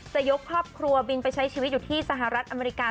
ยกครอบครัวบินไปใช้ชีวิตอยู่ที่สหรัฐอเมริกา